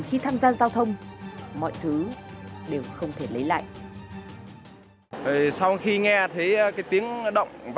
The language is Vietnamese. khi tham gia giao thông